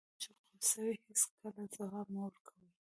هر کله چې غوسه وئ هېڅکله ځواب مه ورکوئ.